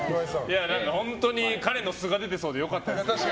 本当に、彼の素が出てそうで良かったです。